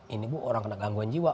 ini bu orang kena gangguan jiwa